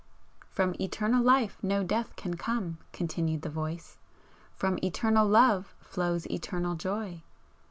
"From Eternal Life no death can come," continued the Voice "from Eternal Love flows Eternal Joy.